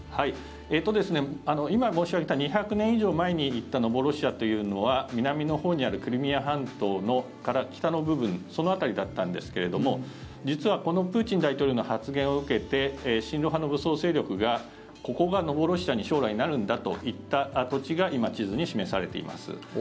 今、申し上げた２００年以上前に言ったノボロシアというのは南のほうにあるクリミア半島から北の部分その辺りだったんですけれども実はこのプーチン大統領の発言を受けて親ロ派の武装勢力がここがノボロシアに将来なるんだと言った土地が今、地図に示されています。